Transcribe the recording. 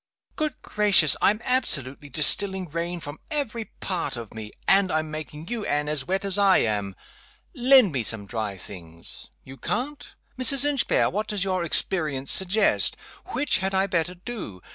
"Good gracious! I'm absolutely distilling rain from every part of me. And I'm making you, Anne, as wet as I am! Lend me some dry things. You can't? Mrs. Inchbare, what does your experience suggest? Which had I better do?